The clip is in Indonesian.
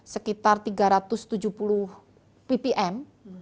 sekitar tiga ratus tujuh puluh ppm